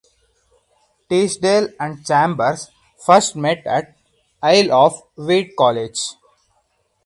Teasdale and Chambers first met at Isle of Wight College.